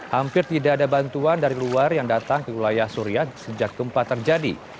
hampir tidak ada bantuan dari luar yang datang ke wilayah suria sejak gempa terjadi